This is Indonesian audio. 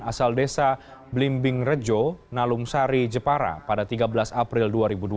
asal desa blimbing rejo nalumsari jepara pada tiga belas april dua ribu dua puluh